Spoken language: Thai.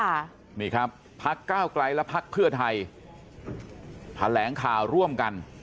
ค่ะนี่ครับพักก้าวกลัยและพักเพื่อไทยพระแหลงข่าวร่วมกัน